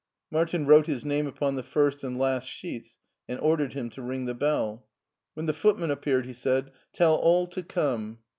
Martin wrote his name upon the first and last sheets and ordered him to ring the bell. When the footman appeared, he said, " Tell all to come.'